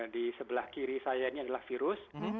di sebelah kiri saya ini adalah virus